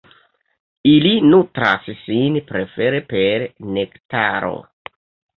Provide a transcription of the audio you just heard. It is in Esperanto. Ili nutras sin prefere per nektaro.